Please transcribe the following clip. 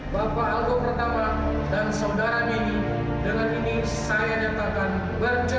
bapak algo pertama dan saudara nedi dengan ini saya nyatakan bercerita